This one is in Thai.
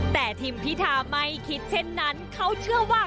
แต่ทีมพิธาไม่คิดเช่นนั้นเขาเชื่อว่า